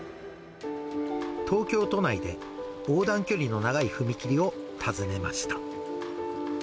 東京都内で横断距離の長い踏切を訪ねました。